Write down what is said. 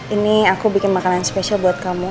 ini aku bikin makanan spesial buat kamu